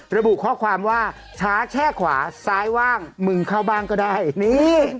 ระบุข้อความว่าช้าแช่ขวาซ้ายว่างมึงเข้าบ้างก็ได้นี่